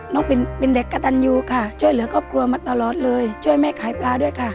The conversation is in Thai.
น้องเป็นเด็กกระตันอยู่ค่ะช่วยเหลือก็ปลวงมาตลอดเลยช่วยแม่ขายปลาด้วยค่ะ